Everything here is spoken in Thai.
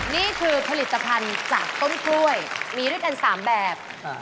นี่คือผลิตภัณฑ์จากต้นกล้วยมีด้วยกัน๓แบบ